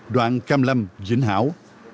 đoạn cam lâm dĩnh hảo